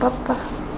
kau masih kecil